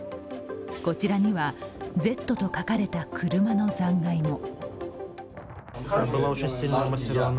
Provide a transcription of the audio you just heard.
こちらには、「Ｚ」と書かれた車の残骸も。